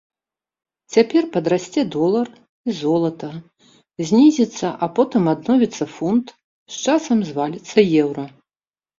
Цяпер падрасце долар і золата, знізіцца, а потым адновіцца фунт, з часам зваліцца еўра.